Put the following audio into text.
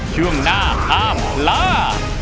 ช่วงหน้าห้ามล่า